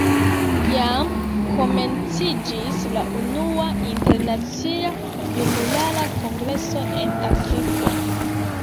Jam komenciĝis la unua Internacia Junulara Kongreso en Afriko.